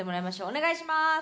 お願いします！